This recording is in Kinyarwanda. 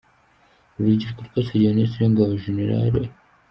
Uru rubyiruko rwasabye Minisitiri w’Ingabo, Gen.